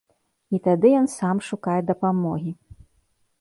І тады ён сам шукае дапамогі.